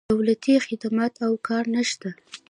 دولتي خدمات او کار نه شته.